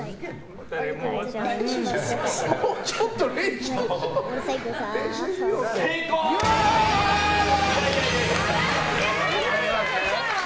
もうちょっと練習しよう。